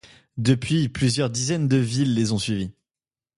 Depuis plusieurs dizaines de villes les ont suivies.